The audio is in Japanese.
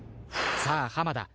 さあ濱田